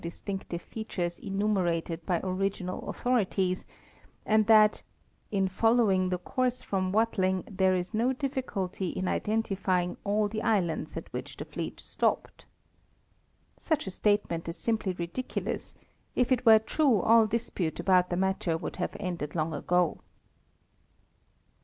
distinctive features enumerated by original authorities, and that "in following the course from Watling there is no difficulty in identifying all the islands at which the fleet stopped." Such a statement is simply ridiculous; if it were true, all dispute about the matter would have ended long ago.